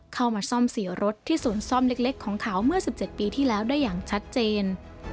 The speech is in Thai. เข้ามาซ่อมเสียรถที่ศูนย์ซ่อมเล็กของเขาเมื่อ๑๗ปีที่แล้วได้อย่างชัดเจน